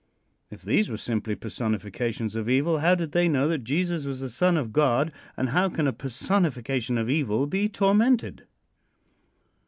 If these were simply personifications of evil, how did they know that Jesus was the Son of God, and how can a personification of evil be tormented?